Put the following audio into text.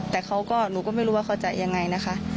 แต่เขาก็หนูก็ไม่รู้ว่าเขาจะยังไงนะคะ